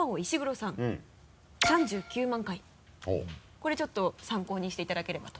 これちょっと参考にしていただければと。